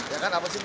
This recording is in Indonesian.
ya kan apa sih